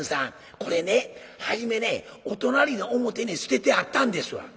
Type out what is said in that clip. これね初めねお隣の表に捨ててあったんですわ。